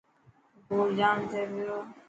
گوڙ جام ٿي پيو.